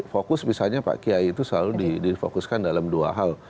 fokus misalnya pak kiai itu selalu difokuskan dalam dua hal